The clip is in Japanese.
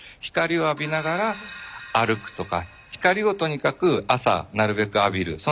光を浴びながら歩くとか光をとにかく朝なるべく浴びる。